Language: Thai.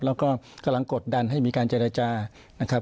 แล้วก็กำลังกดดันให้มีการเจรจานะครับ